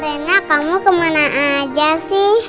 enak kamu kemana aja sih